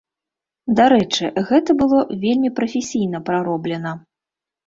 Дарэчы, гэта было вельмі прафесійна прароблена.